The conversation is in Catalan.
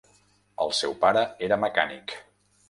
El seu pare era mecànic.